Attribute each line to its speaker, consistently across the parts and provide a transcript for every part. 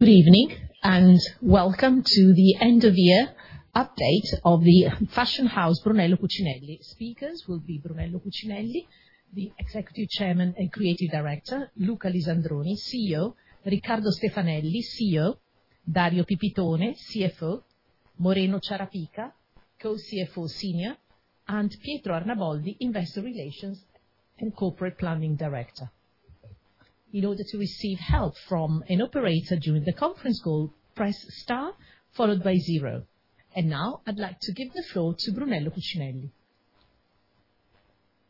Speaker 1: Good evening and welcome to the end-of-year update of the fashion house Brunello Cucinelli. Speakers will be Brunello Cucinelli, the Executive Chairman and Creative Director, Luca Lisandroni, CEO, Riccardo Stefanelli, CEO, Dario Pipitone, CFO, Moreno Ciarapica, Co-CFO Senior, and Pietro Arnaboldi, Investor Relations and Corporate Planning Director. In order to receive help from an operator during the conference call, press star followed by zero. And now I'd like to give the floor to Brunello Cucinelli.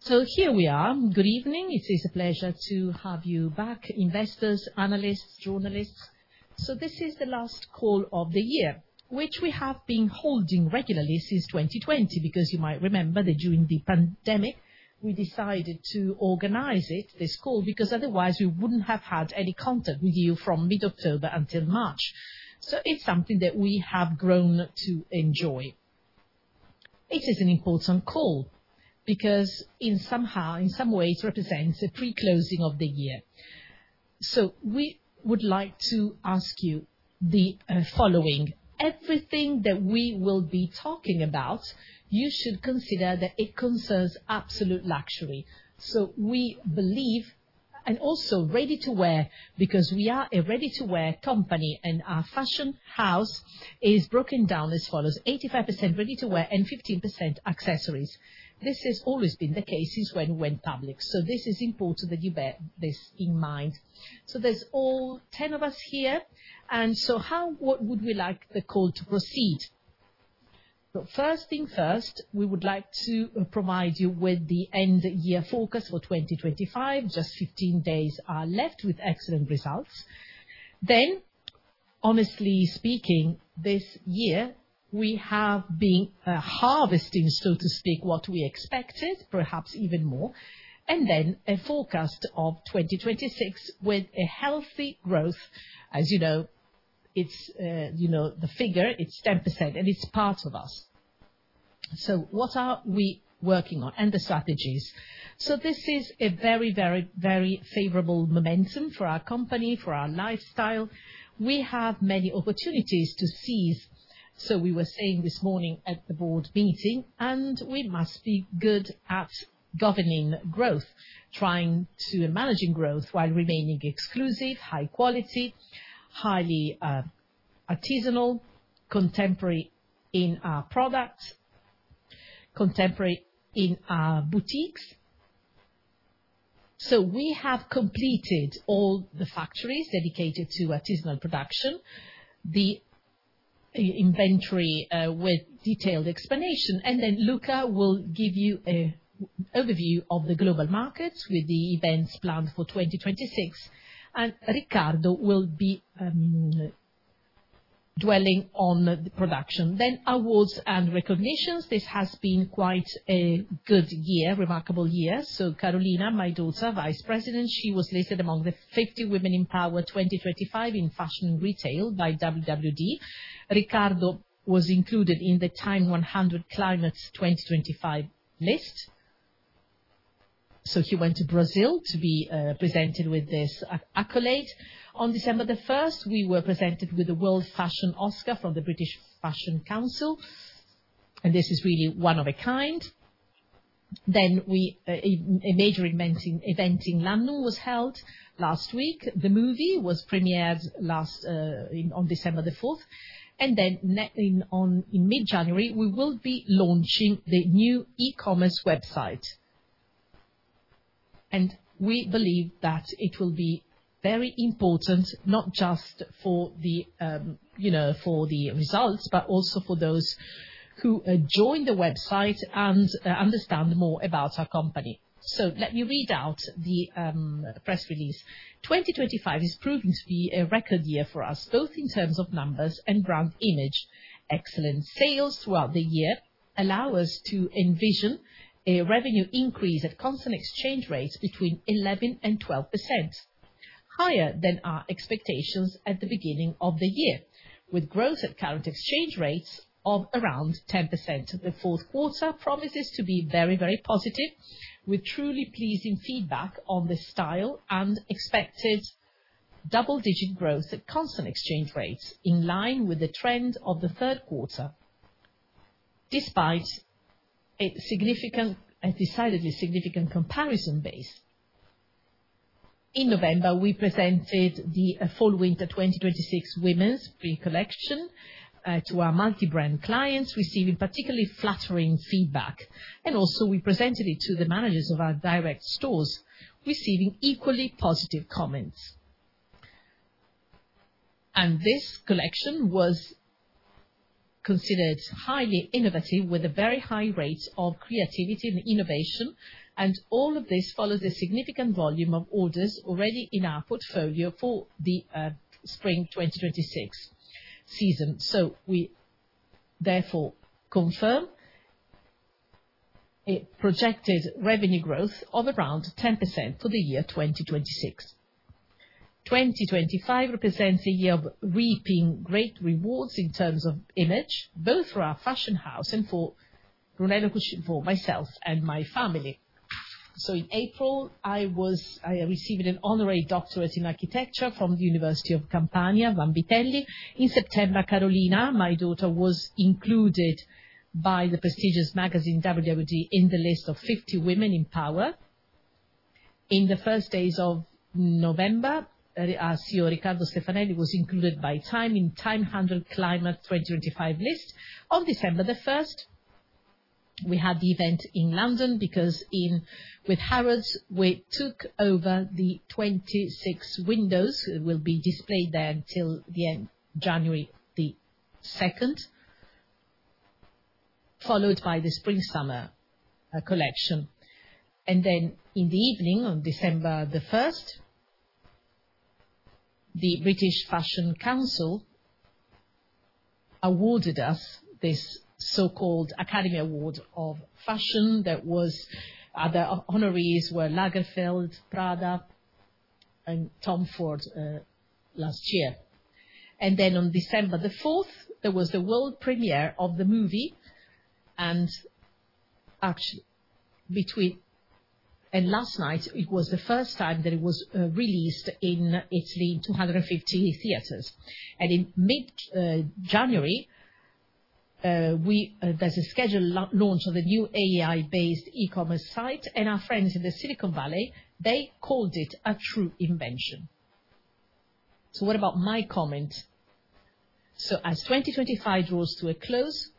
Speaker 2: So here we are. Good evening. It is a pleasure to have you back, investors, analysts, journalists. So this is the last call of the year, which we have been holding regularly since 2020, because you might remember that during the pandemic we decided to organize this call, because otherwise we wouldn't have had any contact with you from mid-October until March. So it's something that we have grown to enjoy. It is an important call because in some way it represents a pre-closing of the year, so we would like to ask you the following: everything that we will be talking about, you should consider that it concerns absolute luxury. So we believe, and also ready-to-wear, because we are a ready-to-wear company and our fashion house is broken down as follows: 85% ready-to-wear and 15% accessories. This has always been the case since when we went public, so this is important that you bear this in mind, so there's all 10 of us here, and so how would we like the call to proceed? First thing first, we would like to provide you with the end-of-year focus for 2025. Just 15 days are left with excellent results, then, honestly speaking, this year we have been harvesting, so to speak, what we expected, perhaps even more. A forecast of 2026 with a healthy growth. As you know, it's the figure, it's 10% and it's part of us. What are we working on and the strategies? This is a very, very, very favorable momentum for our company, for our lifestyle. We have many opportunities to seize. We were saying this morning at the board meeting, and we must be good at governing growth, trying to manage growth while remaining exclusive, high quality, highly artisanal, contemporary in our products, contemporary in our boutiques. We have completed all the factories dedicated to artisanal production, the inventory with detailed explanation. Luca will give you an overview of the global markets with the events planned for 2026, and Riccardo will be dwelling on the production. Awards and recognitions. This has been quite a good year, remarkable year. Carolina, my daughter, Vice President, was listed among the 50 Women in Power 2025 in fashion retail by WWD. Riccardo was included in the TIME 100 Climate 2025 list. He went to Brazil to be presented with this accolade. On December the 1st, we were presented with the Outstanding Achievement Award from the British Fashion Council, and this is really one of a kind. A major event in London was held last week. The movie was premiered last on December the 4th. In mid-January, we will be launching the new e-commerce website. We believe that it will be very important, not just for the results, but also for those who join the website and understand more about our company. Let me read out the press release. 2025 is proving to be a record year for us, both in terms of numbers and brand image. Excellent sales throughout the year allow us to envision a revenue increase at constant exchange rates between 11% and 12%, higher than our expectations at the beginning of the year, with growth at current exchange rates of around 10%. The fourth quarter promises to be very, very positive, with truly pleasing feedback on the style and expected double-digit growth at constant exchange rates, in line with the trend of the third quarter, despite a decidedly significant comparison base. In November, we presented the Fall/Winter 2026 Women's Pre-collection to our multi-brand clients, receiving particularly flattering feedback. And also we presented it to the managers of our direct stores, receiving equally positive comments. And this collection was considered highly innovative, with a very high rate of creativity and innovation. All of this follows a significant volume of orders already in our portfolio for the spring 2026 season. We therefore confirm a projected revenue growth of around 10% for the year 2026. 2025 represents a year of reaping great rewards in terms of image, both for our fashion house and for Brunello Cucinelli, for myself and my family. In April, I received an honorary doctorate in architecture from the Università degli Studi della Campania Luigi Vanvitelli. In September, Carolina, my daughter, was included by the prestigious magazine WWD in the list of 50 women in power. In the first days of November, our CEO, Riccardo Stefanelli, was included by TIME in the TIME100 Climate 2025 list. On December the 1st, we had the event in London because with Harrods, we took over the 26 windows that will be displayed there until the end of January the 2nd, followed by the spring/summer collection, and then in the evening, on December the 1st, the British Fashion Council awarded us this so-called Academy Award of Fashion. The honorees were Lagerfeld, Prada, and Tom Ford last year, and then on December the 4th, there was the world premiere of the movie. And last night, it was the first time that it was released in its 250 theaters, and in mid-January, there's a scheduled launch of the new AI-based e-commerce site. And our friends in the Silicon Valley, they called it a true invention, so what about my comment? As 2025 draws to a close,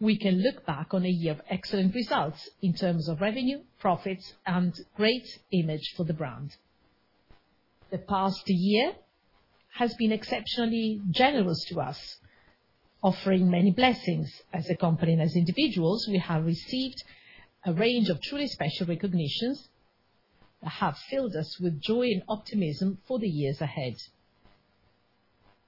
Speaker 2: we can look back on a year of excellent results in terms of revenue, profits, and great image for the brand. The past year has been exceptionally generous to us, offering many blessings as a company and as individuals. We have received a range of truly special recognitions that have filled us with joy and optimism for the years ahead.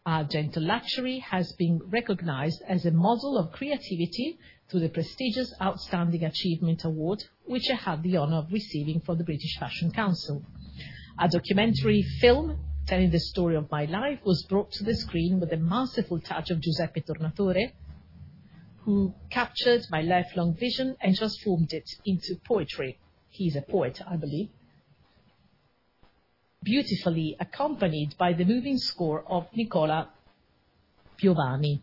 Speaker 2: Our gentle luxury has been recognized as a model of creativity through the prestigious Outstanding Achievement Award, which I had the honor of receiving from the British Fashion Council. A documentary film telling the story of my life was brought to the screen with a masterful touch of Giuseppe Tornatore, who captured my lifelong vision and transformed it into poetry. He's a poet, I believe. Beautifully accompanied by the moving score of Nicola Piovani,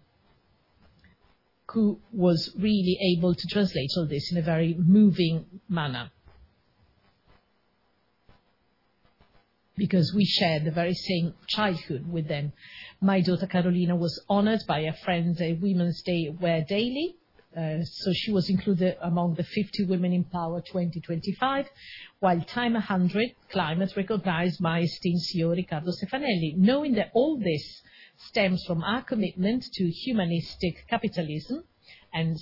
Speaker 2: who was really able to translate all this in a very moving manner. Because we shared the very same childhood with them. My daughter Carolina was honored by Women's Wear Daily, so she was included among the 50 Women in Power 2025, while TIME 100 Climate recognized my esteemed CEO, Riccardo Stefanelli. Knowing that all this stems from our commitment to humanistic capitalism and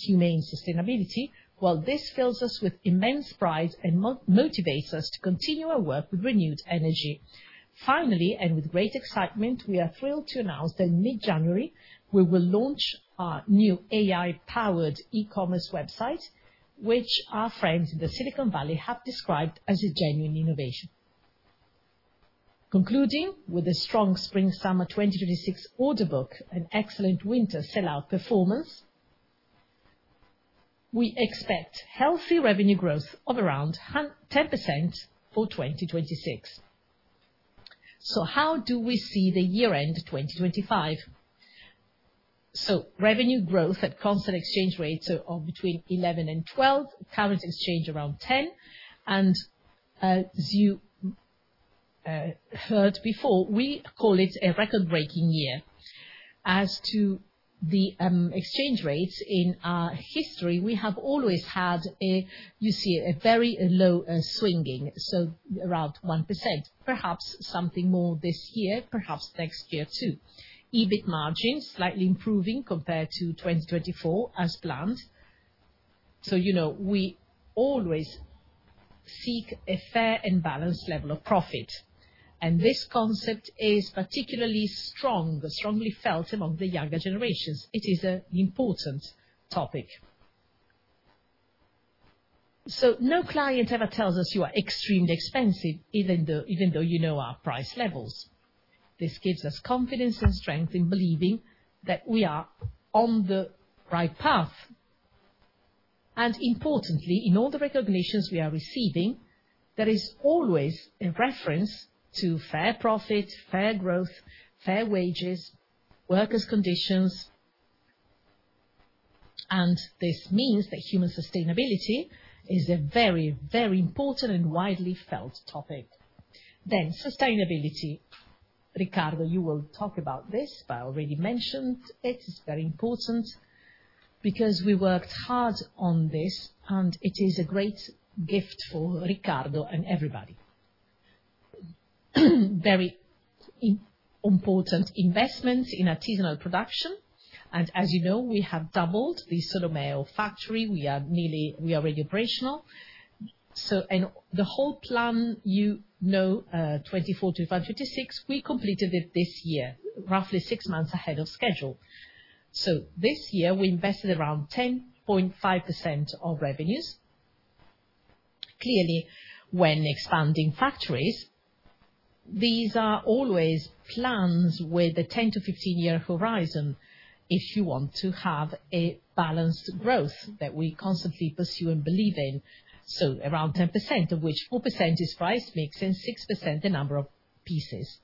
Speaker 2: human sustainability, while this fills us with immense pride and motivates us to continue our work with renewed energy. Finally, and with great excitement, we are thrilled to announce that in mid-January, we will launch our new AI-powered e-commerce website, which our friends in the Silicon Valley have described as a genuine innovation. Concluding with a strong Spring/Summer 2026 order book and excellent Winter sell-out performance, we expect healthy revenue growth of around 10% for 2026. So how do we see the year-end 2025? So revenue growth at constant exchange rates of between 11% and 12%, current exchange around 10%. And as you heard before, we call it a record-breaking year. As to the exchange rates in our history, we have always had a, you see, a very low swing, so around 1%, perhaps something more this year, perhaps next year too. EBIT margins slightly improving compared to 2024 as planned. So we always seek a fair and balanced level of profit. And this concept is particularly strong, strongly felt among the younger generations. It is an important topic. So no client ever tells us you are extremely expensive, even though you know our price levels. This gives us confidence and strength in believing that we are on the right path. And importantly, in all the recognitions we are receiving, there is always a reference to fair profit, fair growth, fair wages, workers' conditions. And this means that human sustainability is a very, very important and widely felt topic. Then sustainability. Riccardo, you will talk about this, but I already mentioned it. It's very important because we worked hard on this, and it is a great gift for Riccardo and everybody. Very important investments in artisanal production. And as you know, we have doubled the Solomeo factory. We are nearly, we are already operational. And the whole plan, you know, 2024 to 2025, 2026, we completed it this year, roughly six months ahead of schedule. So this year, we invested around 10.5% of revenues. Clearly, when expanding factories, these are always plans with a 10-15-year horizon if you want to have a balanced growth that we constantly pursue and believe in, so around 10%, of which 4% is price mix and 6% the number of pieces,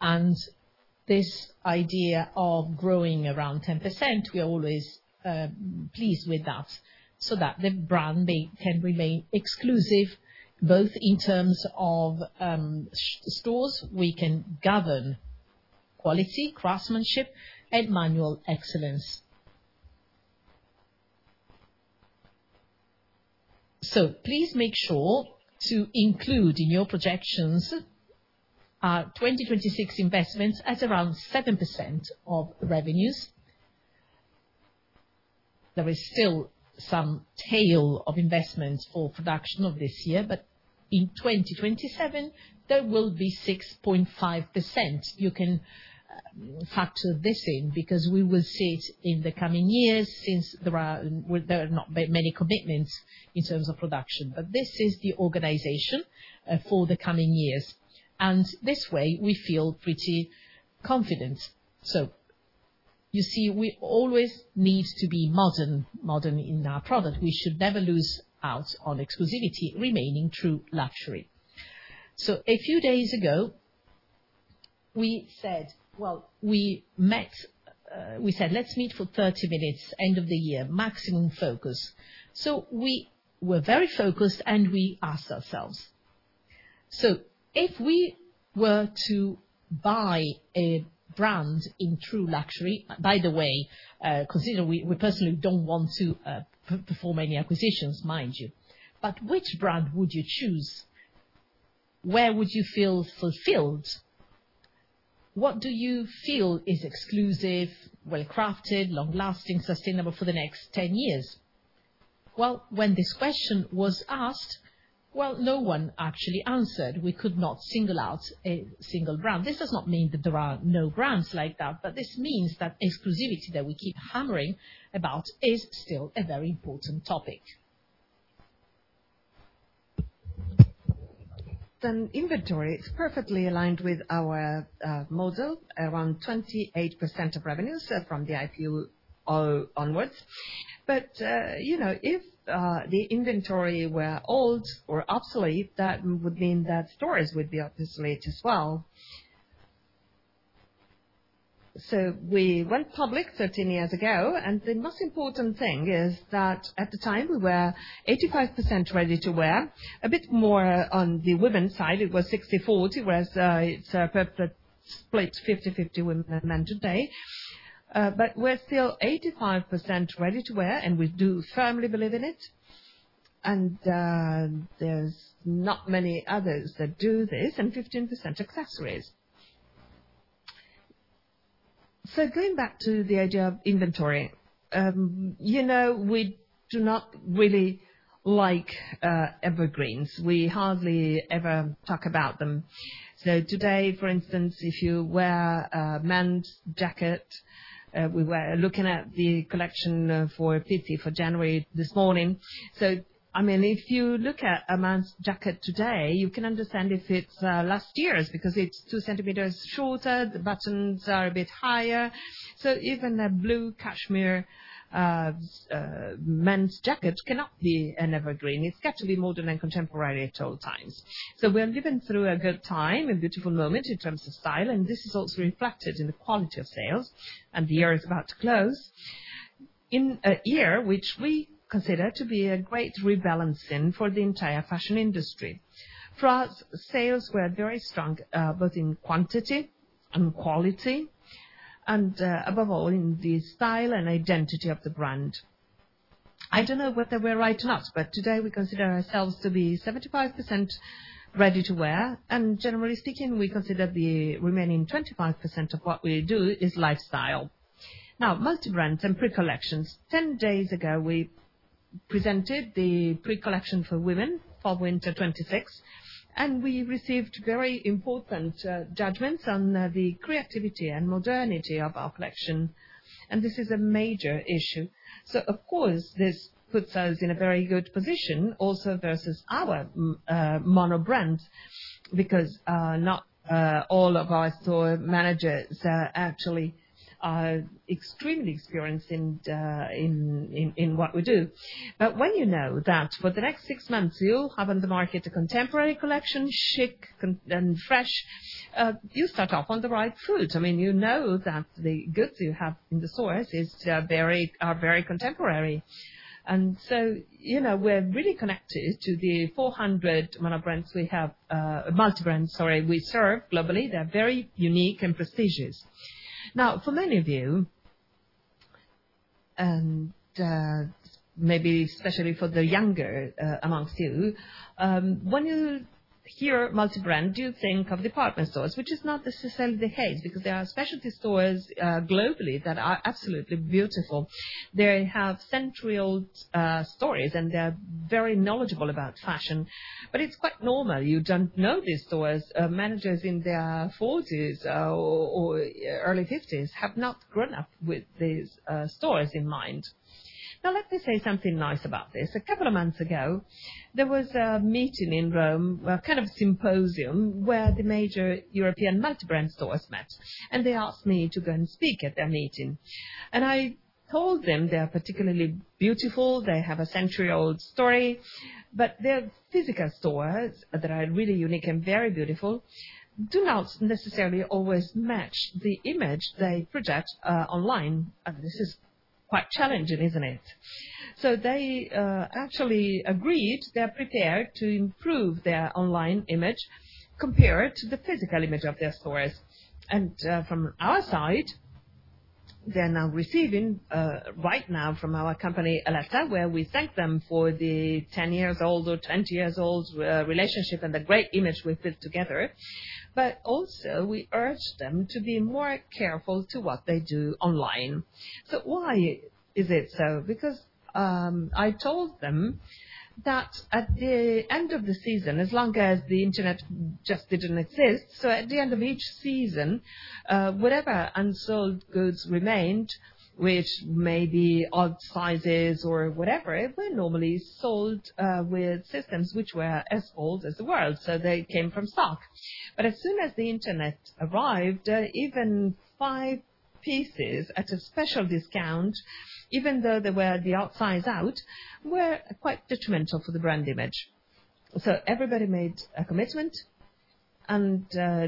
Speaker 2: and this idea of growing around 10%, we are always pleased with that so that the brand can remain exclusive, both in terms of stores we can govern, quality, craftsmanship, and manual excellence, so please make sure to include in your projections our 2026 investments at around 7% of revenues. There is still some tail of investment for production of this year, but in 2027, there will be 6.5%. You can factor this in because we will see it in the coming years since there are not many commitments in terms of production, but this is the organization for the coming years. And this way, we feel pretty confident. So you see, we always need to be modern, modern in our product. We should never lose out on exclusivity, remaining true luxury. So a few days ago, we said, well, we met, we said, let's meet for 30 minutes, end of the year, maximum focus. So we were very focused, and we asked ourselves, so if we were to buy a brand in true luxury, by the way, consider we personally don't want to perform any acquisitions, mind you, but which brand would you choose? Where would you feel fulfilled? What do you feel is exclusive, well-crafted, long-lasting, sustainable for the next 10 years? Well, when this question was asked, well, no one actually answered. We could not single out a single brand. This does not mean that there are no brands like that, but this means that exclusivity that we keep hammering about is still a very important topic. Then inventory is perfectly aligned with our model, around 28% of revenues from the IPO onwards. But if the inventory were old or obsolete, that would mean that stores would be obsolete as well. So we went public 13 years ago. And the most important thing is that at the time, we were 85% ready to wear. A bit more on the women's side, it was 60%-40%, whereas it's a perfect split 50%-50% women and men today. But we're still 85% ready to wear, and we do firmly believe in it. And there's not many others that do this, and 15% accessories. So going back to the idea of inventory, you know we do not really like evergreens. We hardly ever talk about them, so today, for instance, if you wear a men's jacket, we were looking at the collection for Pitti for January this morning. So I mean, if you look at a men's jacket today, you can understand if it's last year's because it's two centimeters shorter, the buttons are a bit higher. So even a blue cashmere men's jacket cannot be an evergreen. It's got to be modern and contemporary at all times, so we're living through a good time and beautiful moment in terms of style, and this is also reflected in the quality of sales, and the year is about to close, in a year which we consider to be a great rebalancing for the entire fashion industry. For us, sales were very strong, both in quantity and quality, and above all in the style and identity of the brand. I don't know whether we're right or not, but today we consider ourselves to be 75% ready to wear, and generally speaking, we consider the remaining 25% of what we do is lifestyle. Now, multi-brand and pre-collections. Ten days ago, we presented the pre-collection for women for Winter 2026, and we received very important judgments on the creativity and modernity of our collection, and this is a major issue, so of course, this puts us in a very good position also versus our mono-brand because not all of our store managers actually are extremely experienced in what we do, but when you know that for the next six months, you'll have on the market a contemporary collection, chic and fresh, you start off on the right foot. I mean, you know that the goods you have in the stores are very contemporary. And so we're really connected to the 400 mono brands we have, multi-brands, sorry, we serve globally. They're very unique and prestigious. Now, for many of you, and maybe especially for the younger among you, when you hear multi-brand, you think of department stores, which is not necessarily the case because there are specialty stores globally that are absolutely beautiful. They have century-old stories, and they're very knowledgeable about fashion. But it's quite normal. You don't know these stores. Managers in their 40s or early 50s have not grown up with these stores in mind. Now, let me say something nice about this. A couple of months ago, there was a meeting in Rome, a kind of symposium where the major European multi-brand stores met. And they asked me to go and speak at their meeting. And I told them they are particularly beautiful. They have a century-old story. But their physical stores that are really unique and very beautiful do not necessarily always match the image they project online. And this is quite challenging, isn't it? So they actually agreed they're prepared to improve their online image compared to the physical image of their stores. And from our side, they're now receiving right now from our company a letter where we thank them for the 10-year-old or 20-year-old relationship and the great image we've built together. But also, we urge them to be more careful to what they do online. So why is it so? Because I told them that at the end of the season, as long as the internet just didn't exist, so at the end of each season, whatever unsold goods remained, which may be odd sizes or whatever, were normally sold with systems which were as old as the world. So they came from stock. But as soon as the internet arrived, even five pieces at a special discount, even though they were the odd size out, were quite detrimental for the brand image. So everybody made a commitment. And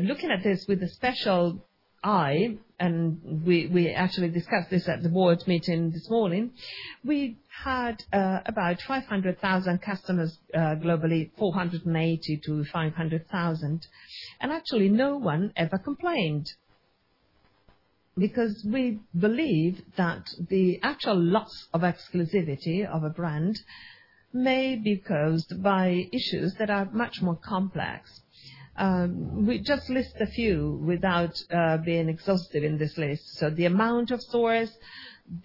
Speaker 2: looking at this with a special eye, and we actually discussed this at the board meeting this morning, we had about 500,000 customers globally, 480,000-500,000. And actually, no one ever complained because we believe that the actual loss of exclusivity of a brand may be caused by issues that are much more complex. We just list a few without being exhaustive in this list. So the amount of stores,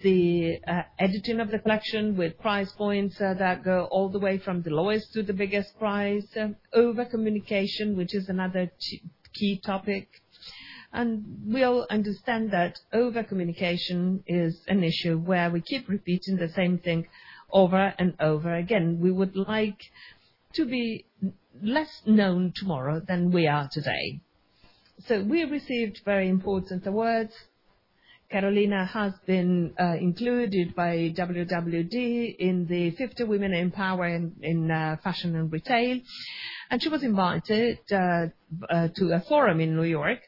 Speaker 2: the editing of the collection with price points that go all the way from the lowest to the biggest price, over-communication, which is another key topic. We all understand that over-communication is an issue where we keep repeating the same thing over and over again. We would like to be less known tomorrow than we are today. We received very important awards. Carolina has been included by WWD in the 50 Women Empowering in Fashion and Retail. She was invited to a forum in New York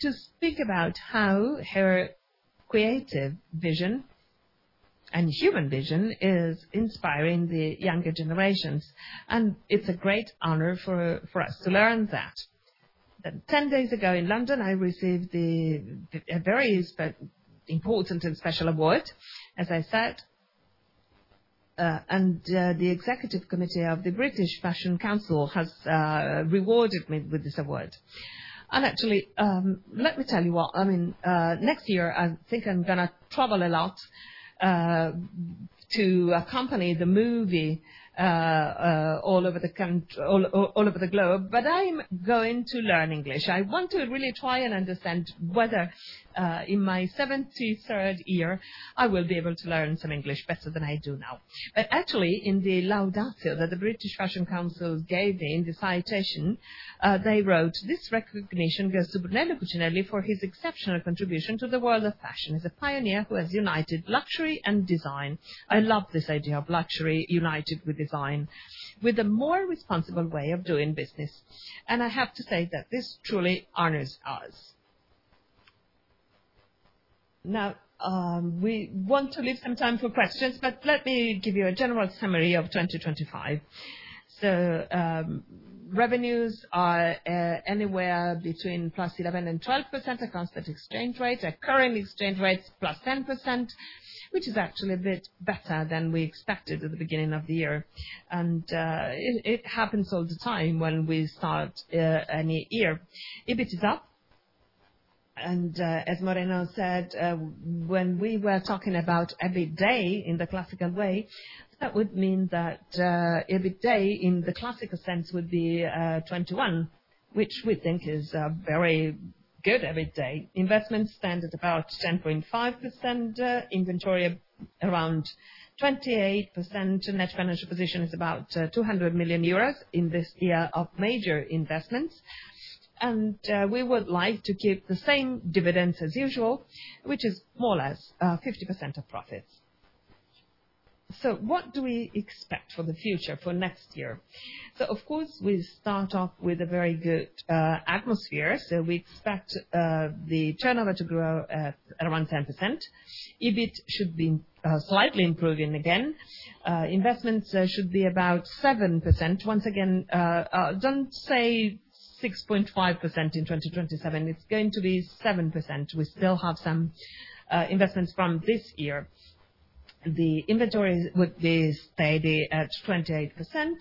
Speaker 2: to speak about how her creative vision and human vision is inspiring the younger generations. It's a great honor for us to learn that. 10 days ago in London, I received a very important and special award, as I said. The executive committee of the British Fashion Council has rewarded me with this award. Actually, let me tell you what. I mean, next year, I think I'm going to travel a lot to accompany the movie all over the globe. But I'm going to learn English. I want to really try and understand whether in my 73rd year, I will be able to learn some English better than I do now. But actually, in the laudatio that the British Fashion Council gave me in the citation, they wrote, "This recognition goes to Brunello Cucinelli for his exceptional contribution to the world of fashion as a pioneer who has united luxury and design." I love this idea of luxury united with design with a more responsible way of doing business. And I have to say that this truly honors us. Now, we want to leave some time for questions, but let me give you a general summary of 2025. So revenues are anywhere between +11% and 12% at constant exchange rates. Our current exchange rate is +10%, which is actually a bit better than we expected at the beginning of the year, and it happens all the time when we start a new year. EBIT is up, and as Moreno said, when we were talking about EBITDA in the classical way, that would mean that EBITDA in the classical sense would be 21%, which we think is a very good EBITDA. Investments stand at about 10.5%. Inventory around 28%. Net financial position is about 200 million euros in this year of major investments, and we would like to keep the same dividends as usual, which is more or less 50% of profits. What do we expect for the future for next year? Of course, we start off with a very good atmosphere. We expect the turnover to grow at around 10%. EBIT should be slightly improving again. Investments should be about 7%. Once again, don't say 6.5% in 2027. It's going to be 7%. We still have some investments from this year. The inventory would be steady at 28%.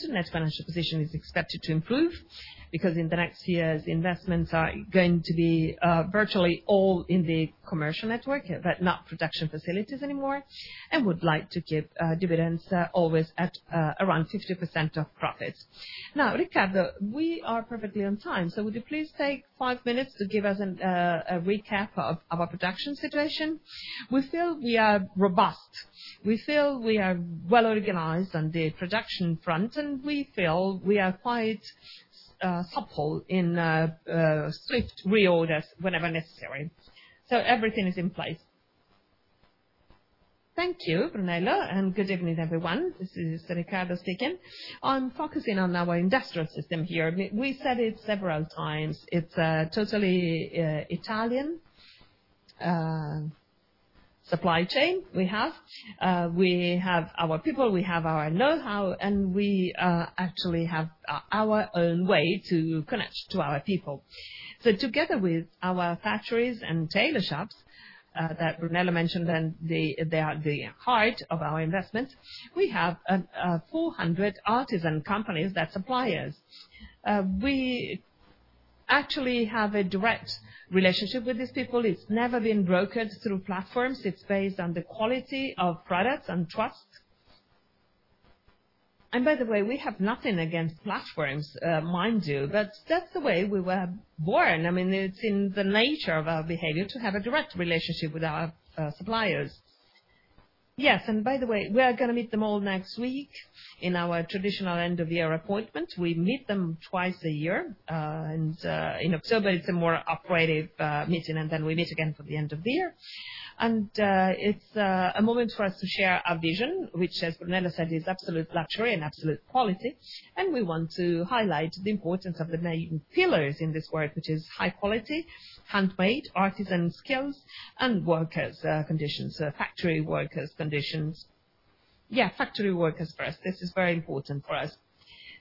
Speaker 2: Net financial position is expected to improve because in the next years, investments are going to be virtually all in the commercial network, but not production facilities anymore. And we'd like to keep dividends always at around 50% of profits. Now, Riccardo, we are perfectly on time. So would you please take five minutes to give us a recap of our production situation? We feel we are robust. We feel we are well organized on the production front. And we feel we are quite supple in swift reorders whenever necessary. So everything is in place.
Speaker 3: Thank you, Brunello. And good evening, everyone. This is Riccardo speaking. I'm focusing on our industrial system here. We said it several times. It's a totally Italian supply chain we have. We have our people. We have our know-how, and we actually have our own way to connect to our people. So together with our factories and tailor shops that Brunello mentioned, and they are the heart of our investments, we have 400 artisan companies that supply us. We actually have a direct relationship with these people. It's never been brokered through platforms. It's based on the quality of products and trust. And by the way, we have nothing against platforms, mind you. But that's the way we were born. I mean, it's in the nature of our behavior to have a direct relationship with our suppliers. Yes, and by the way, we're going to meet them all next week in our traditional end-of-year appointment. We meet them twice a year, and in October, it's a more operative meeting. And then we meet again for the end of the year. And it's a moment for us to share our vision, which, as Brunello said, is absolute luxury and absolute quality. And we want to highlight the importance of the main pillars in this work, which is high quality, handmade, artisan skills, and workers' conditions, factory workers' conditions. Yeah, factory workers first. This is very important for us.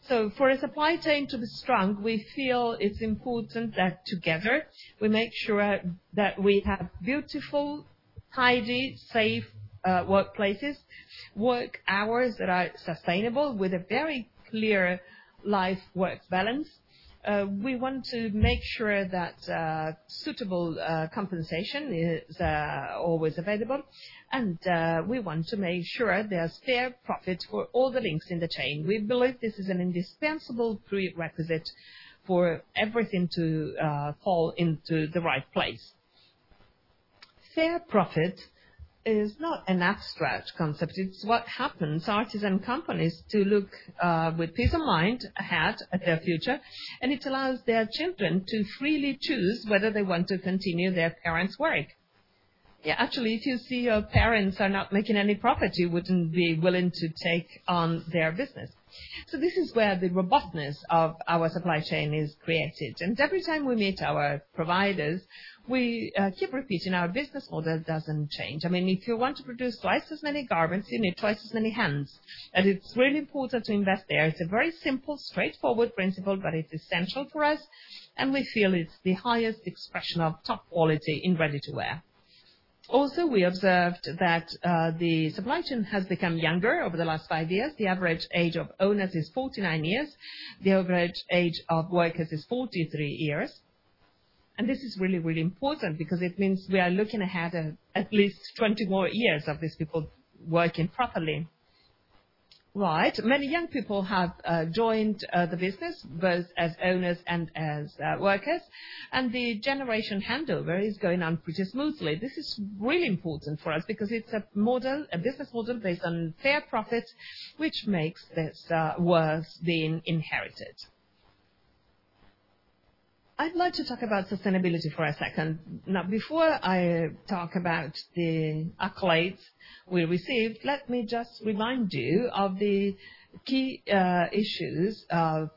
Speaker 3: So for a supply chain to be strong, we feel it's important that together we make sure that we have beautiful, tidy, safe workplaces, work hours that are sustainable with a very clear life-work balance. We want to make sure that suitable compensation is always available. And we want to make sure there's fair profit for all the links in the chain. We believe this is an indispensable prerequisite for everything to fall into the right place. Fair profit is not an abstract concept. It's what happens to artisan companies to look with peace of mind ahead at their future, and it allows their children to freely choose whether they want to continue their parents' work. Yeah, actually, if you see your parents are not making any profit, you wouldn't be willing to take on their business, so this is where the robustness of our supply chain is created, and every time we meet our providers, we keep repeating our business model doesn't change. I mean, if you want to produce twice as many garments, you need twice as many hands, and it's really important to invest there. It's a very simple, straightforward principle, but it's essential for us, and we feel it's the highest expression of top quality in ready-to-wear. Also, we observed that the supply chain has become younger over the last five years. The average age of owners is 49 years. The average age of workers is 43 years. And this is really, really important because it means we are looking ahead at least 20 more years of these people working properly. Right. Many young people have joined the business, both as owners and as workers. And the generation handover is going on pretty smoothly. This is really important for us because it's a business model based on fair profit, which makes this worth being inherited. I'd like to talk about sustainability for a second. Now, before I talk about the accolades we received, let me just remind you of the key issues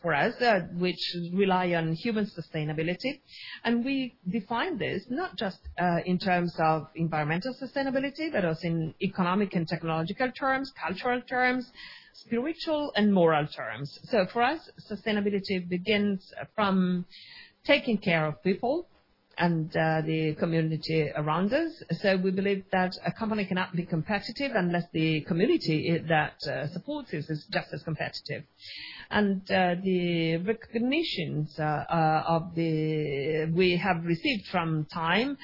Speaker 3: for us, which rely on human sustainability. And we define this not just in terms of environmental sustainability, but also in economic and technological terms, cultural terms, spiritual, and moral terms. So for us, sustainability begins from taking care of people and the community around us. So we believe that a company cannot be competitive unless the community that supports us is just as competitive. And the recognitions we have received from TIME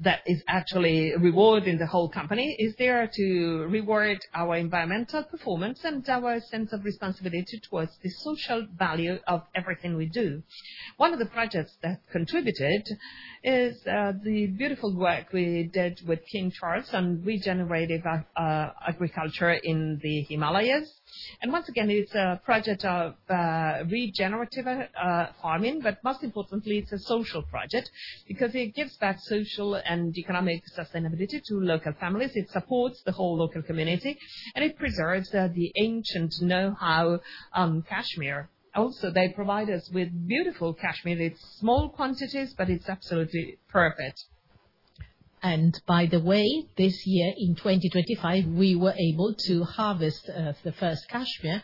Speaker 3: that is actually rewarding the whole company is there to reward our environmental performance and our sense of responsibility towards the social value of everything we do. One of the projects that contributed is the beautiful work we did with King Charles on regenerative agriculture in the Himalayas. And once again, it's a project of regenerative farming. But most importantly, it's a social project because it gives back social and economic sustainability to local families. It supports the whole local community. And it preserves the ancient know-how on cashmere. Also, they provide us with beautiful cashmere. It's small quantities, but it's absolutely perfect. By the way, this year in 2025, we were able to harvest the first cashmere.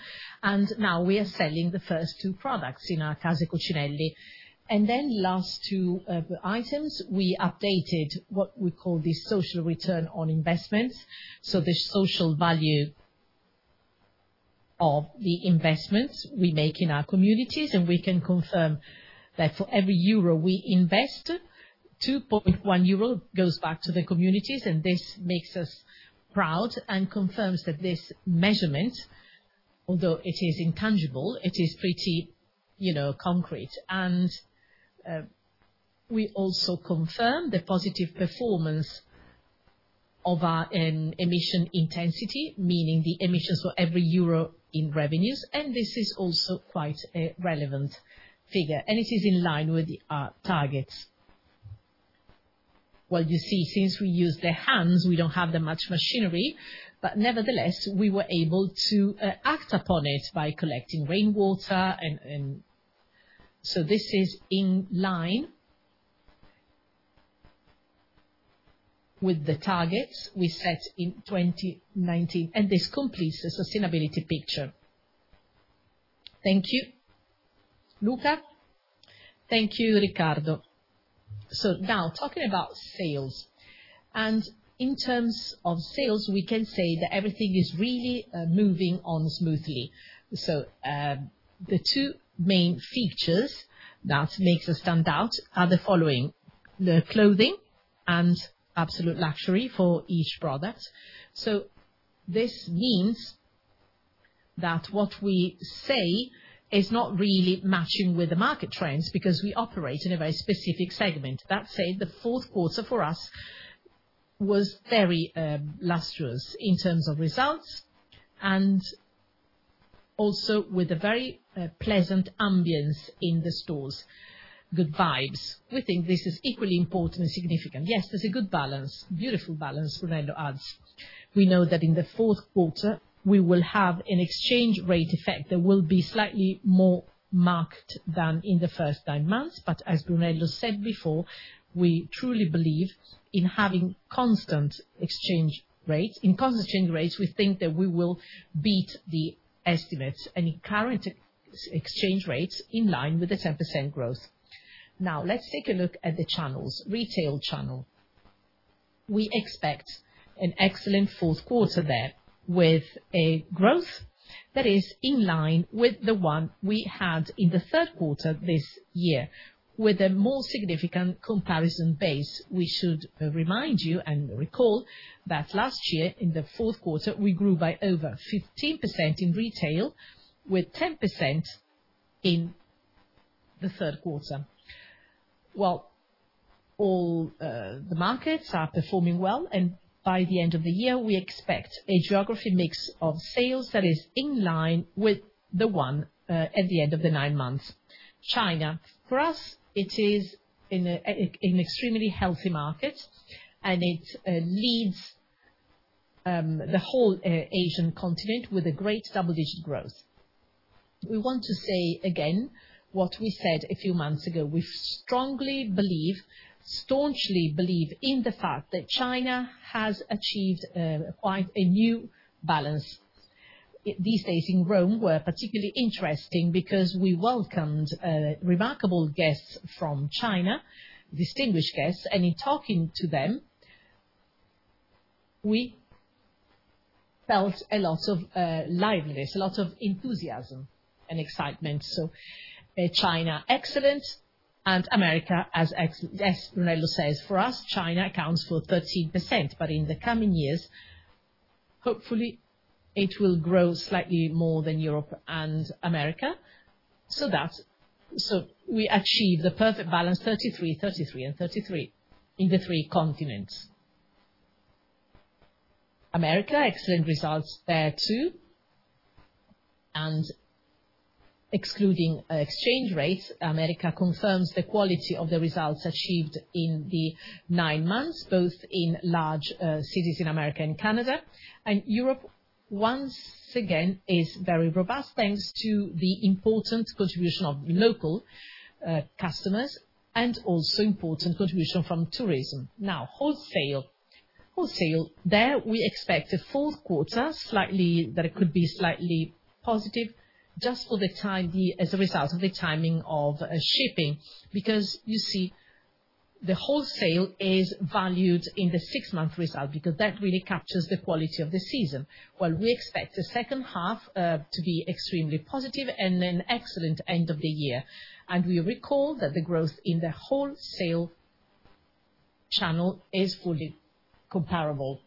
Speaker 3: Now we are selling the first two products in our Casa Cucinelli. Then, the last two items, we updated what we call the social return on investment. The social value of the investments we make in our communities. We can confirm that for every euro we invest, 2.1 euro goes back to the communities. This makes us proud and confirms that this measurement, although it is intangible, is pretty concrete. We also confirm the positive performance of our emission intensity, meaning the emissions for every euro in revenues. This is also quite a relevant figure. It is in line with our targets. You see, since we use the hands, we don't have that much machinery. Nevertheless, we were able to act upon it by collecting rainwater. So this is in line with the targets we set in 2019. This completes the sustainability picture. Thank you, Luca?
Speaker 4: Thank you, Riccardo. Now talking about sales. In terms of sales, we can say that everything is really moving on smoothly. The two main features that make us stand out are the following: the clothing and absolute luxury for each product. This means that what we say is not really matching with the market trends because we operate in a very specific segment. That said, the fourth quarter for us was very lustrous in terms of results and also with a very pleasant ambiance in the stores, good vibes. We think this is equally important and significant. Yes, there's a good balance, beautiful balance, Brunello adds. We know that in the fourth quarter, we will have an exchange rate effect. There will be slightly more marked than in the first nine months. But as Brunello said before, we truly believe in having constant exchange rates. In constant exchange rates, we think that we will beat the estimates and current exchange rates in line with the 10% growth. Now, let's take a look at the channels, retail channel. We expect an excellent fourth quarter there with a growth that is in line with the one we had in the third quarter this year with a more significant comparison base. We should remind you and recall that last year in the fourth quarter, we grew by over 15% in retail with 10% in the third quarter. Well, all the markets are performing well. By the end of the year, we expect a geographic mix of sales that is in line with the one at the end of the nine months. China. For us, it is an extremely healthy market. And it leads the whole Asian continent with a great double-digit growth. We want to say again what we said a few months ago. We strongly believe, staunchly believe in the fact that China has achieved quite a new balance. These days in Rome were particularly interesting because we welcomed remarkable guests from China, distinguished guests. And in talking to them, we felt a lot of liveliness, a lot of enthusiasm and excitement. So China, excellent. And America, as Brunello says, for us, China accounts for 13%. But in the coming years, hopefully, it will grow slightly more than Europe and America. We achieve the perfect balance, 33, 33, and 33 in the three continents. America, excellent results there too. Excluding exchange rates, America confirms the quality of the results achieved in the nine months, both in large cities in America and Canada. Europe, once again, is very robust thanks to the important contribution of local customers and also important contribution from tourism. Now, wholesale. Wholesale there, we expect a fourth quarter that could be slightly positive just for the result of the timing of shipping. Because you see, the wholesale is valued in the six-month result because that really captures the quality of the season. We expect the second half to be extremely positive and an excellent end of the year. We recall that the growth in the wholesale channel is fully comparable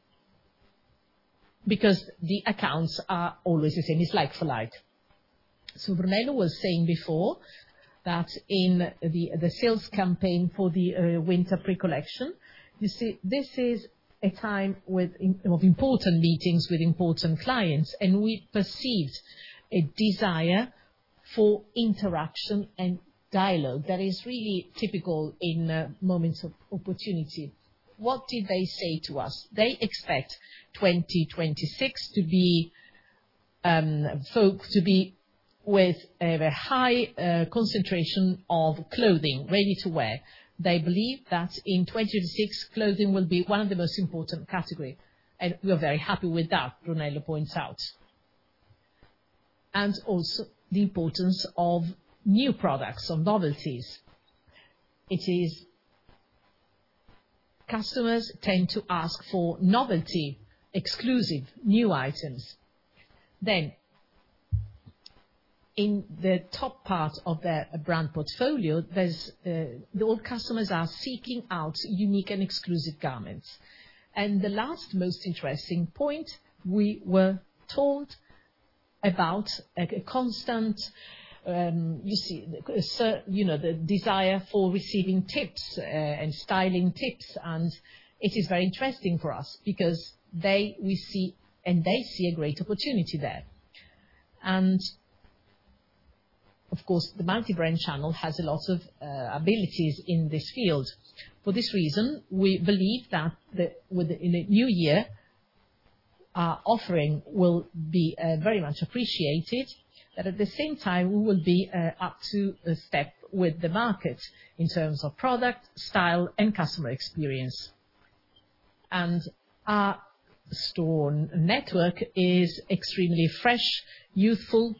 Speaker 4: because the accounts are always the same. It's like for like. Brunello was saying before that in the sales campaign for the winter pre-collection, this is a time of important meetings with important clients. We perceived a desire for interaction and dialogue that is really typical in moments of opportunity. What did they say to us? They expect 2026 to be with a high concentration of clothing ready to wear. They believe that in 2026, clothing will be one of the most important categories. We are very happy with that, Brunello points out. Also the importance of new products or novelties. Customers tend to ask for novelty, exclusive, new items. Then in the top part of their brand portfolio, all customers are seeking out unique and exclusive garments. The last most interesting point, we were told about a constant, you see, the desire for receiving tips and styling tips. And it is very interesting for us because we see a great opportunity there. And of course, the multi-brand channel has a lot of abilities in this field. For this reason, we believe that in the new year, our offering will be very much appreciated. But at the same time, we will be up to a step with the market in terms of product, style, and customer experience. And our store network is extremely fresh, youthful,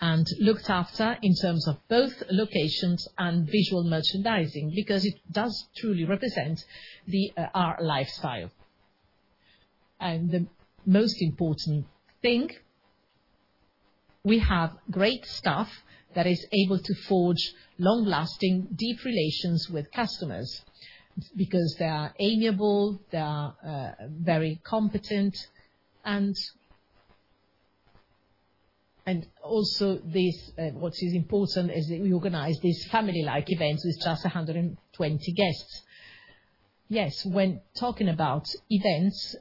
Speaker 4: and looked after in terms of both locations and visual merchandising because it does truly represent our lifestyle. And the most important thing, we have great staff that is able to forge long-lasting, deep relations with customers because they are amiable, they are very competent. And also what is important is that we organize these family-like events with just 120 guests. Yes, when talking about events,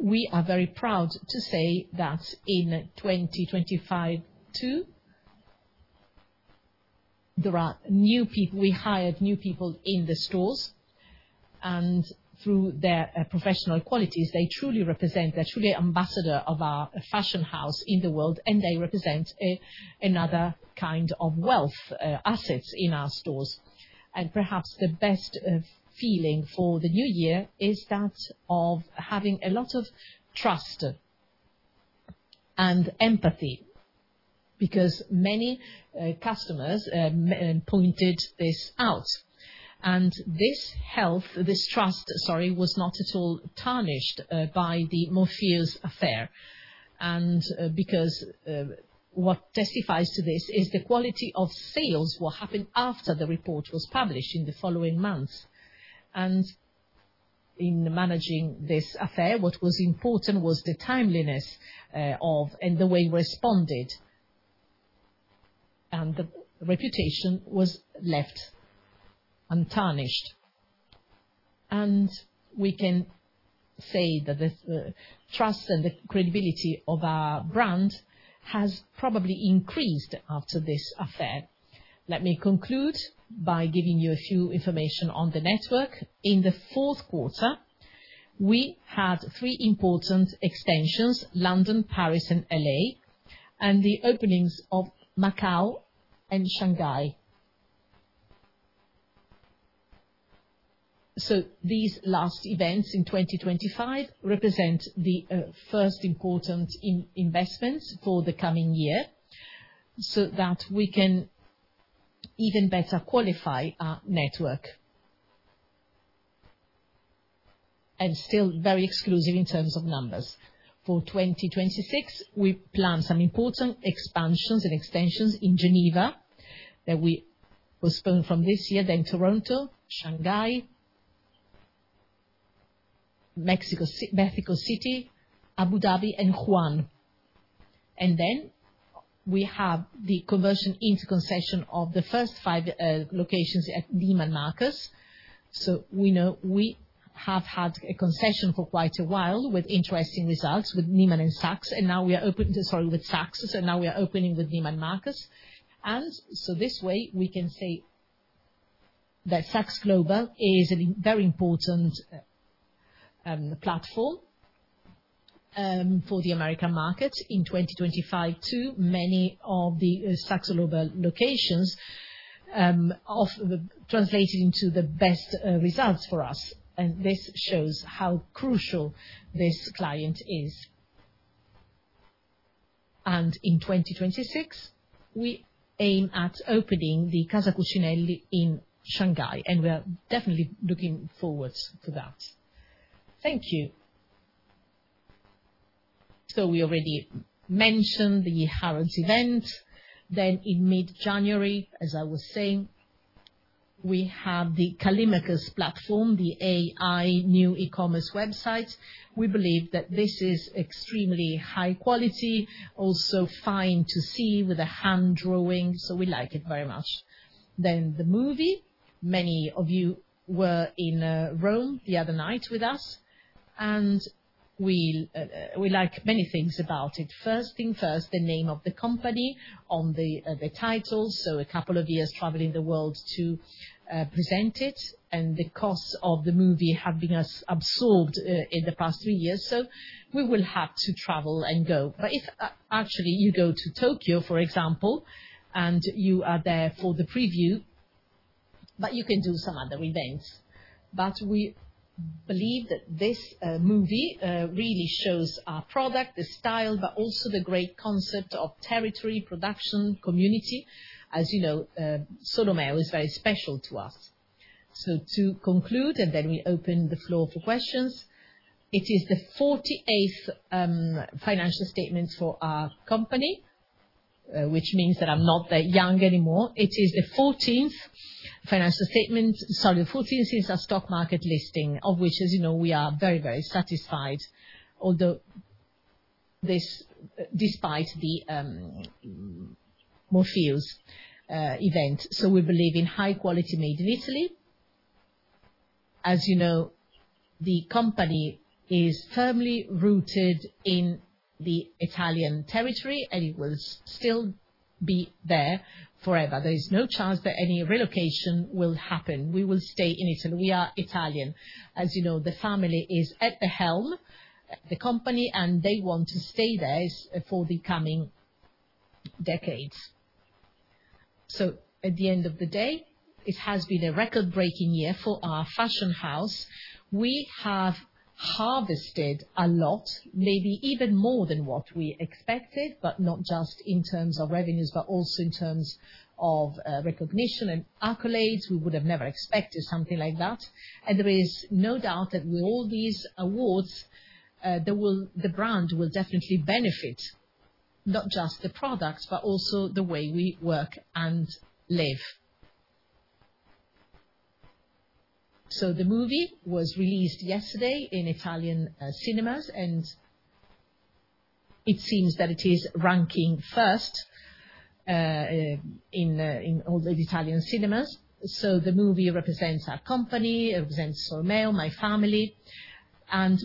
Speaker 4: we are very proud to say that in 2025 too, there are new people. We hired new people in the stores. And through their professional qualities, they truly represent. They're truly ambassadors of our fashion house in the world. And they represent another kind of wealth assets in our stores. And perhaps the best feeling for the new year is that of having a lot of trust and empathy because many customers pointed this out. And this health, this trust, sorry, was not at all tarnished by the Morpheus affair. And because what testifies to this is the quality of sales will happen after the report was published in the following month. And in managing this affair, what was important was the timeliness of and the way we responded. And the reputation was left untarnished. We can say that the trust and the credibility of our brand has probably increased after this affair. Let me conclude by giving you a few information on the network. In the fourth quarter, we had three important extensions: London, Paris, and LA, and the openings of Macau and Shanghai. So these last events in 2025 represent the first important investments for the coming year so that we can even better qualify our network. And still very exclusive in terms of numbers. For 2026, we planned some important expansions and extensions in Geneva that we postponed from this year, then Toronto, Shanghai, Mexico City, Abu Dhabi, and Wuhan. And then we have the conversion into concession of the first five locations at Neiman Marcus. So we have had a concession for quite a while with interesting results with Neiman and Saks. And now we are opening, sorry, with Saks. And now we are opening with Neiman Marcus. And so this way, we can say that Saks Global is a very important platform for the American market in 2025 too. Many of the Saks Global locations translated into the best results for us. And this shows how crucial this client is. And in 2026, we aim at opening the Casa Cucinelli in Shanghai. And we are definitely looking forward to that. Thank you. So we already mentioned the Harrods event. Then in mid-January, as I was saying, we have the Callimachus platform, the AI new e-commerce website. We believe that this is extremely high quality, also fine to see with a hand drawing. So we like it very much. Then the movie. Many of you were in Rome the other night with us. And we like many things about it. First things first, the name of the company on the title, so a couple of years traveling the world to present it and the costs of the movie have been absorbed in the past three years, so we will have to travel and go, but if actually you go to Tokyo, for example, and you are there for the preview but you can do some other events, but we believe that this movie really shows our product, the style, but also the great concept of territory, production, community. As you know, Solomeo is very special to us, so to conclude and then we open the floor for questions, it is the 48th financial statement for our company, which means that I'm not that young anymore. It is the 14th financial statement, sorry, the 14th since our stock market listing, of which, as you know, we are very, very satisfied, although despite the Morpheus event. So we believe in high quality made in Italy. As you know, the company is firmly rooted in the Italian territory, and it will still be there forever. There is no chance that any relocation will happen. We will stay in Italy. We are Italian. As you know, the family is at the helm at the company, and they want to stay there for the coming decades. So at the end of the day, it has been a record-breaking year for our fashion house. We have harvested a lot, maybe even more than what we expected, but not just in terms of revenues, but also in terms of recognition and accolades. We would have never expected something like that. There is no doubt that with all these awards, the brand will definitely benefit not just the products, but also the way we work and live. The movie was released yesterday in Italian cinemas, and it seems that it is ranking first in all the Italian cinemas. The movie represents our company, represents Solomeo, my family.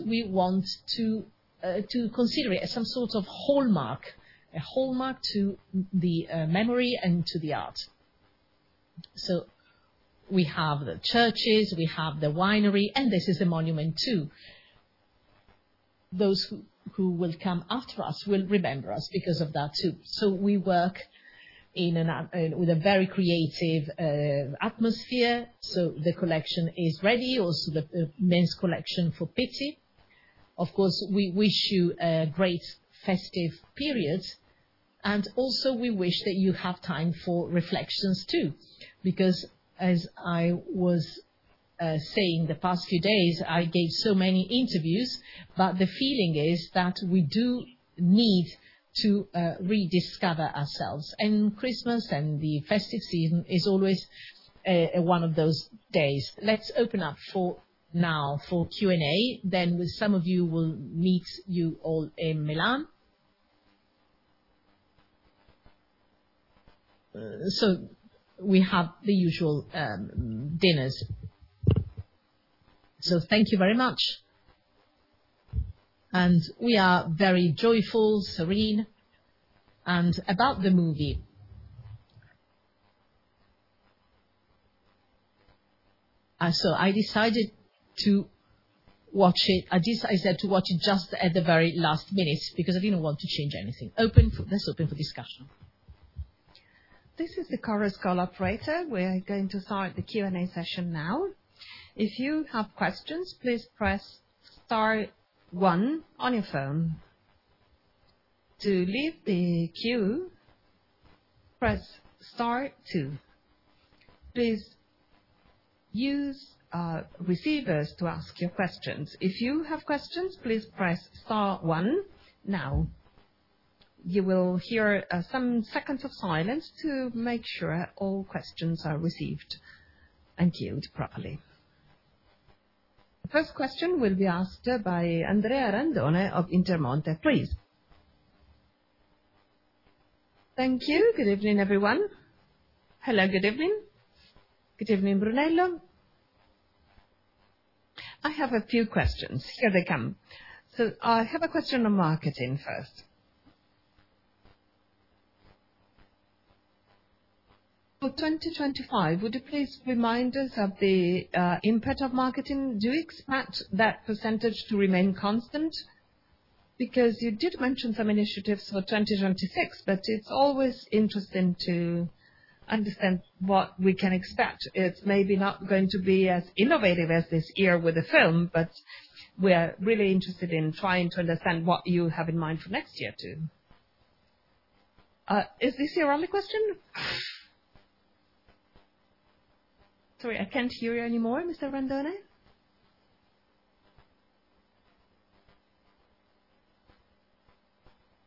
Speaker 4: We want to consider it as some sort of hallmark, a hallmark to the memory and to the art. We have the churches, we have the winery, and this is a monument too. Those who will come after us will remember us because of that too. We work with a very creative atmosphere. The collection is ready, also the men's collection for Pitti. Of course, we wish you a great festive period. We also wish that you have time for reflections too. Because as I was saying the past few days, I gave so many interviews, but the feeling is that we do need to rediscover ourselves, and Christmas and the festive season is always one of those days. Let's open up for now for Q&A, then with some of you, we'll meet you all in Milan, so we have the usual dinners, so thank you very much, and we are very joyful, serene, and about the movie, so I decided to watch it. I said to watch it just at the very last minute because I didn't want to change anything. That's open for discussion.
Speaker 1: This is the Chorus Call operator. We're going to start the Q&A session now. If you have questions, please press Star 1 on your phone. To leave the queue, press Star 2. Please use receivers to ask your questions. If you have questions, please press Star 1 now. You will hear some seconds of silence to make sure all questions are received and queued properly. The first question will be asked by Andrea Randone of Intermonte. Please.
Speaker 5: Thank you. Good evening, everyone.
Speaker 2: Hello, good evening.
Speaker 5: Good evening, Brunello. I have a few questions. Here they come. So I have a question on marketing first. For 2025, would you please remind us of the impact of marketing? Do you expect that percentage to remain constant? Because you did mention some initiatives for 2026, but it's always interesting to understand what we can expect. It's maybe not going to be as innovative as this year with the film, but we're really interested in trying to understand what you have in mind for next year too. Is this your only question?
Speaker 2: Sorry, I can't hear you anymore, Mr. Randone.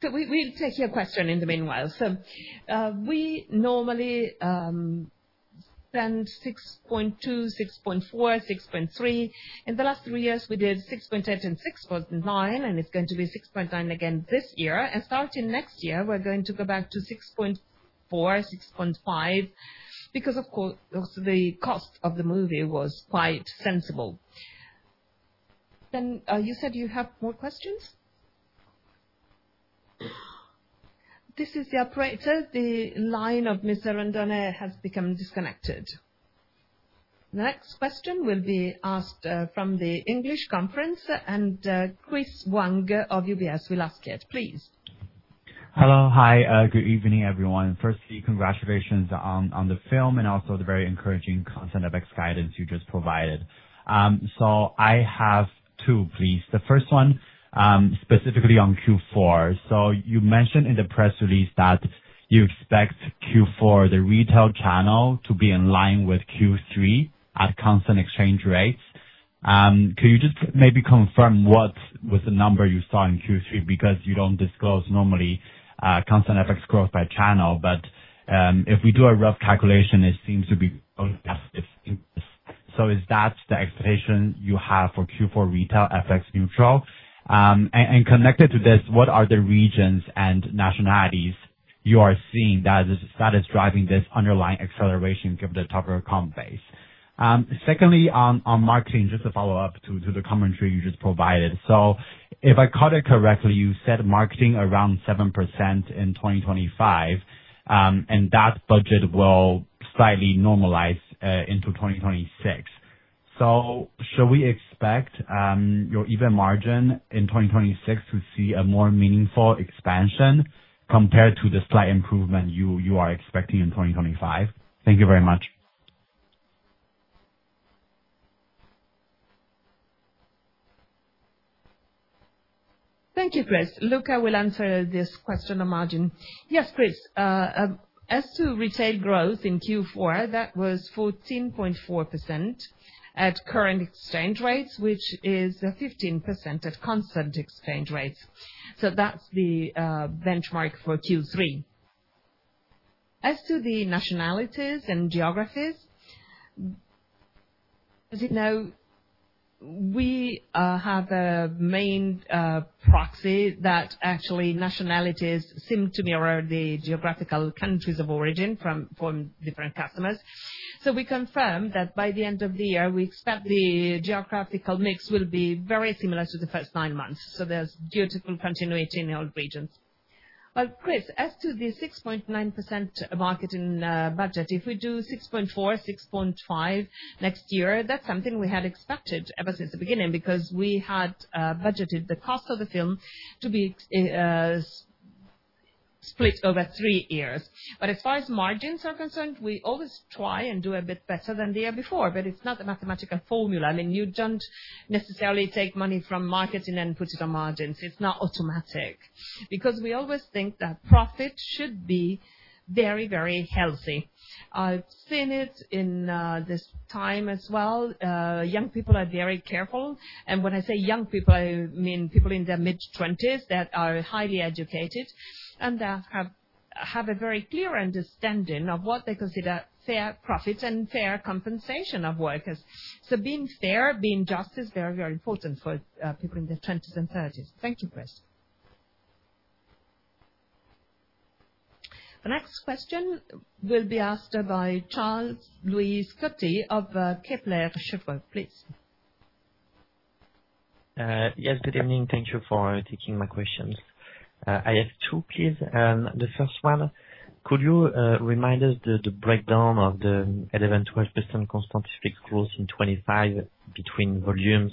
Speaker 2: So we'll take your question in the meanwhile. So we normally spend 6.2%, 6.4%, 6.3%. In the last three years, we did 6.8% and 6.9%, and it's going to be 6.9% again this year, and starting next year, we're going to go back to 6.4%-6.5% because, of course, the cost of the movie was quite sensible.
Speaker 1: You said you have more questions? This is the operator. The line of Mr. Randone has become disconnected. The next question will be asked from the English conference, and Chris Huang of UBS will ask it. Please.
Speaker 6: Hello, hi. Good evening, everyone. Firstly, congratulations on the film and also the very encouraging content of the guidance you just provided. So I have two, please. The first one specifically on Q4. So you mentioned in the press release that you expect Q4, the retail channel to be in line with Q3 at constant exchange rates. Could you just maybe confirm what was the number you saw in Q3 because you don't disclose normally constant FX growth by channel, but if we do a rough calculation, it seems to be only positive. So is that the expectation you have for Q4 retail FX neutral? And connected to this, what are the regions and nationalities you are seeing that is driving this underlying acceleration given the topic of comp base? Secondly, on marketing, just to follow up to the commentary you just provided. If I caught it correctly, you said marketing around 7% in 2025, and that budget will slightly normalize into 2026. So should we expect your EBIT margin in 2026 to see a more meaningful expansion compared to the slight improvement you are expecting in 2025? Thank you very much.
Speaker 1: Thank you, Chris. Luca will answer this question on margin.
Speaker 4: Yes, Chris. As to retail growth in Q4, that was 14.4% at current exchange rates, which is 15% at constant exchange rates. So that's the benchmark for Q3. As to the nationalities and geographies, as you know, we have a main proxy that actually nationalities seem to mirror the geographical countries of origin from different customers. So we confirm that by the end of the year, we expect the geographical mix will be very similar to the first nine months. So there's beautiful continuity in all regions. But Chris, as to the 6.9% marketing budget, if we do 6.4%, 6.5% next year, that's something we had expected ever since the beginning because we had budgeted the cost of the film to be split over three years. But as far as margins are concerned, we always try and do a bit better than the year before, but it's not a mathematical formula. I mean, you don't necessarily take money from marketing and put it on margins. It's not automatic because we always think that profit should be very, very healthy. I've seen it in this time as well. Young people are very careful. And when I say young people, I mean people in their mid-20s that are highly educated and have a very clear understanding of what they consider fair profits and fair compensation of workers. So being fair, being just is very, very important for people in their 20s and 30s.
Speaker 1: Thank you, Chris. The next question will be asked by Charles-Louis Scotti of Kepler Cheuvreux, please.
Speaker 7: Yes, good evening. Thank you for taking my questions. I have two, please. The first one, could you remind us the breakdown of the 11-12% constant FX growth in 2025 between volumes,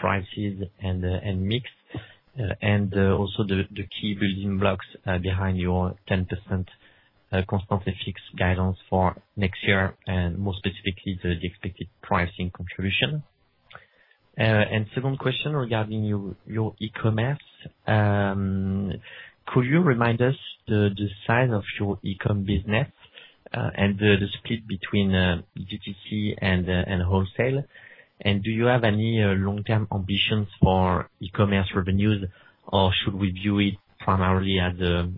Speaker 7: prices, and mix, and also the key building blocks behind your 10% constant FX guidance for next year, and more specifically, the expected pricing contribution? And second question regarding your e-commerce, could you remind us the size of your e-com business and the split between DTC and wholesale? And do you have any long-term ambitions for e-commerce revenues, or should we view it primarily as a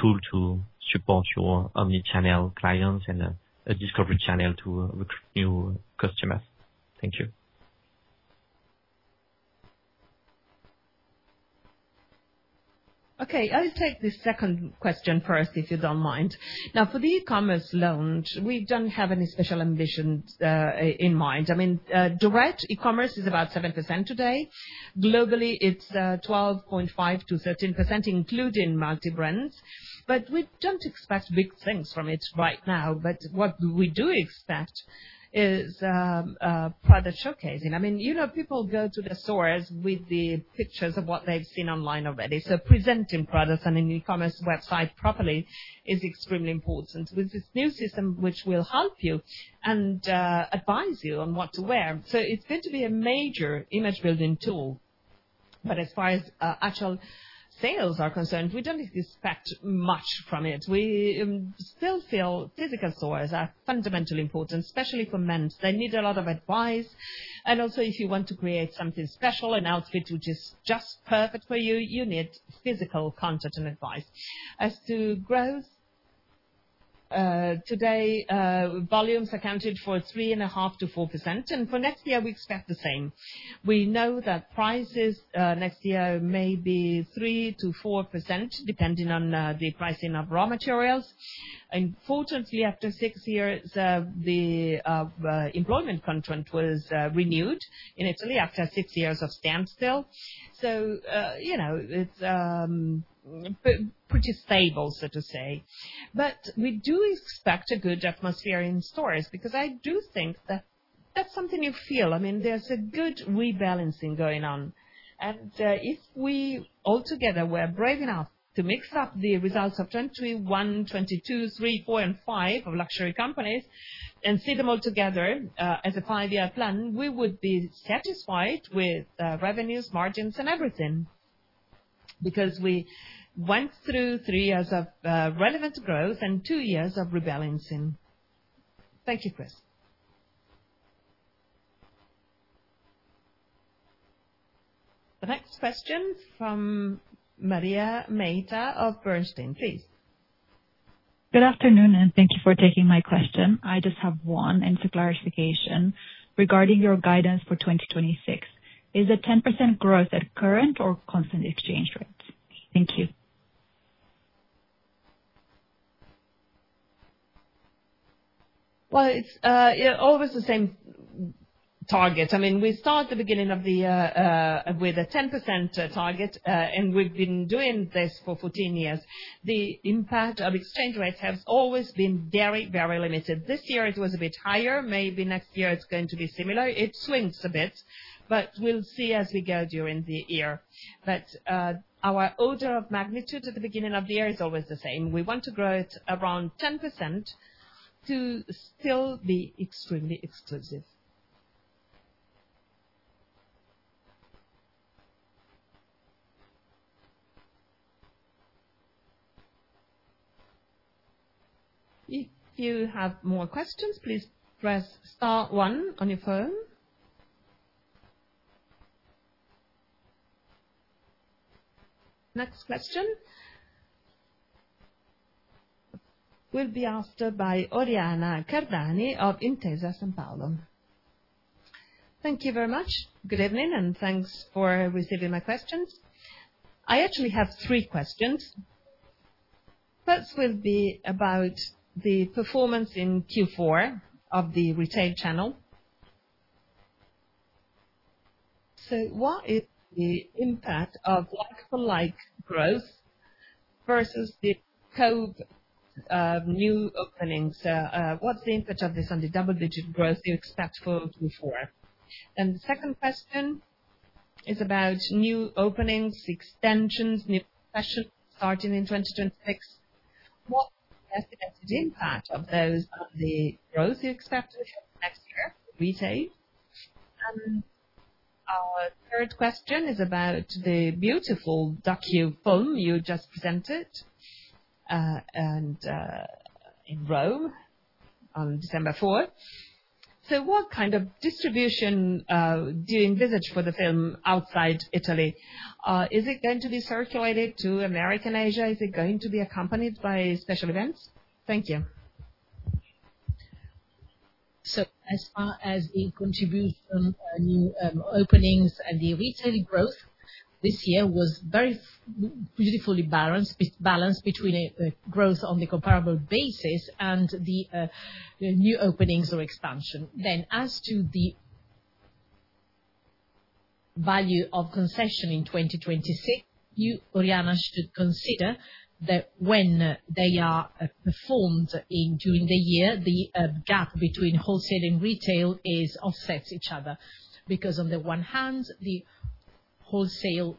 Speaker 7: tool to support your omnichannel clients and a discovery channel to recruit new customers? Thank you. Okay. I'll take the second question first, if you don't mind. Now, for the e-commerce alone, we don't have any special ambitions in mind. I mean, direct e-commerce is about 7% today. Globally, it's 12.5%-13%, including multi-brands. But we don't expect big things from it right now. But what we do expect is product showcasing. I mean, people go to the stores with the pictures of what they've seen online already. So presenting products on an e-commerce website properly is extremely important with this new system, which will help you and advise you on what to wear. So it's going to be a major image-building tool. But as far as actual sales are concerned, we don't expect much from it. We still feel physical stores are fundamentally important, especially for men. They need a lot of advice. And also, if you want to create something special, an outfit which is just perfect for you, you need physical content and advice. As to growth, today, volumes accounted for 3.5%-4%. And for next year, we expect the same. We know that prices next year may be 3%-4%, depending on the pricing of raw materials. Importantly, after six years, the employment contract was renewed in Italy after six years of standstill. So it's pretty stable, so to say. But we do expect a good atmosphere in stores because I do think that that's something you feel. I mean, there's a good rebalancing going on. If we altogether were brave enough to mix up the results of 2021, 2022, 2023, 2024, and 2025 of luxury companies and see them all together as a five-year plan, we would be satisfied with revenues, margins, and everything because we went through three years of relevant growth and two years of rebalancing. Thank you, Chris. The next question from Maria Meita of Bernstein, please.
Speaker 8: Good afternoon, and thank you for taking my question. I just have one and for clarification regarding your guidance for 2026. Is it 10% growth at current or constant exchange rates? Thank you. Well, it's always the same targets. I mean, we start the beginning of the year with a 10% target, and we've been doing this for 14 years. The impact of exchange rates has always been very, very limited. This year, it was a bit higher. Maybe next year, it's going to be similar. It swings a bit, but we'll see as we go during the year. But our order of magnitude at the beginning of the year is always the same. We want to grow it around 10% to still be extremely exclusive. If you have more questions, please press Star 1 on your phone. Next question will be asked by Oriana Cardani of Intesa Sanpaolo. Thank you very much. Good evening, and thanks for receiving my questions. I actually have three questions. First will be about the performance in Q4 of the retail channel. So what is the impact of like-for-like growth versus the contribution of new openings? What's the impact of this on the double-digit growth you expect for Q4? And the second question is about new openings, extensions, new concessions starting in 2026. What's the estimated impact of those on the growth you expect to have next year for retail? And our third question is about the beautiful docufilm you just presented in Rome on December 4. So what kind of distribution do you envisage for the film outside Italy? Is it going to be circulated to America and Asia? Is it going to be accompanied by special events? Thank you. So as far as the contribution, new openings, and the retail growth, this year was very beautifully balanced, balanced between growth on the comparable basis and the new openings or expansion. Then as to the value of concession in 2026, you, Oriana, should consider that when they are performed during the year, the gap between wholesale and retail offsets each other because on the one hand, the wholesale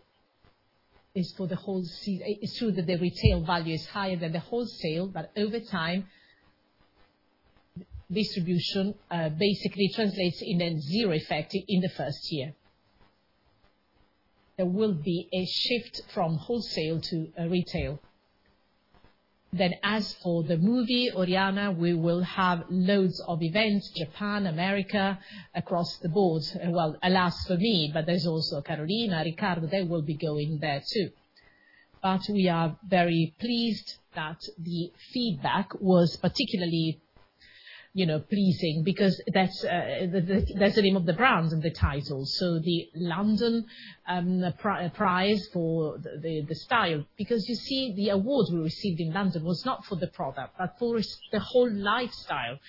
Speaker 8: is for the whole season. It's true that the retail value is higher than the wholesale, but over time, distribution basically translates in a zero effect in the first year. There will be a shift from wholesale to retail. Then as for the movie, Oriana, we will have loads of events: Japan, America, across the board. Well, alas for me, but there's also Carolina, Riccardo; they will be going there too. But we are very pleased that the feedback was particularly pleasing because that's the name of the brand and the title. So the London Prize for the style, because you see the awards we received in London was not for the product, but for the whole lifestyle,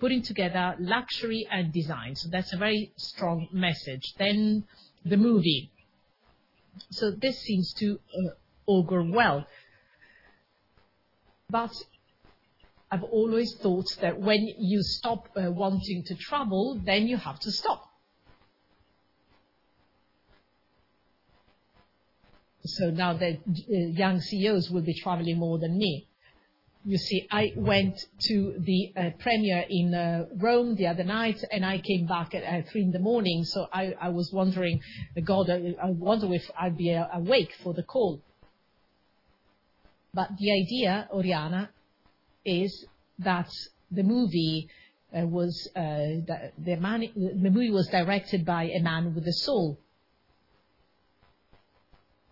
Speaker 8: putting together luxury and design. So that's a very strong message. Then the movie. So this seems to augur well. But I've always thought that when you stop wanting to travel, then you have to stop. So now that young CEOs will be traveling more than me. You see, I went to the premiere in Rome the other night, and I came back at 3:00 A.M. So I was wondering, God, I wonder if I'd be awake for the call. But the idea, Oriana, is that the movie was directed by a man with a soul.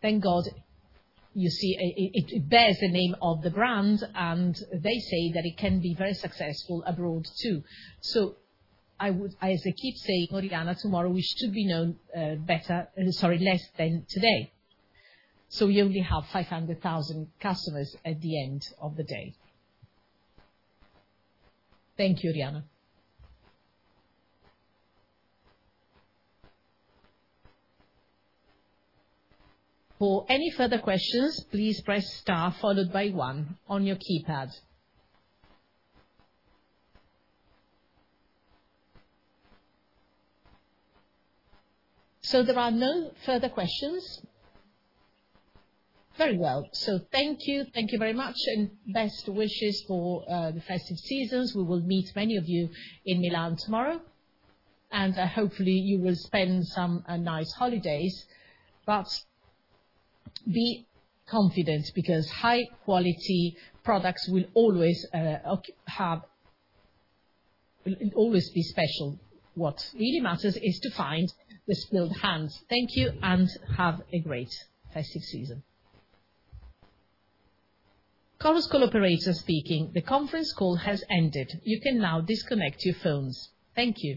Speaker 8: Thank God, you see, it bears the name of the brand, and they say that it can be very successful abroad too. So as I keep saying, Oriana, tomorrow we should be known better, sorry, less than today. So we only have 500,000 customers at the end of the day. Thank you, Oriana. For any further questions, please press Star followed by 1 on your keypad. So there are no further questions. Very well. So thank you. Thank you very much and best wishes for the festive seasons. We will meet many of you in Milan tomorrow. And hopefully, you will spend some nice holidays. But be confident because high-quality products will always be special. What really matters is to find the skilled hands. Thank you and have a great festive season.
Speaker 1: Chorus Call operator speaking. The conference call has ended. You can now disconnect your phones. Thank you.